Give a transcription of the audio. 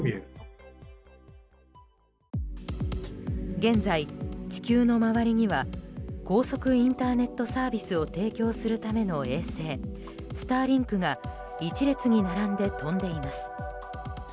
現在、地球の周りには高速インターネットサービスを提供するための衛星スターリンクが一列に並んで飛んでいます。